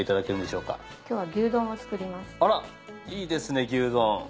あらいいですね牛丼。